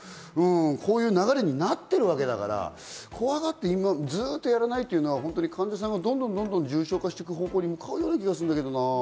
こういう流れになっているわけだから、怖がってずっとやらないというのは患者さんが重症化していく方になると思うんだけどな。